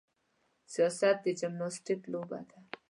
سیاست د جمناستیک لوبه ده.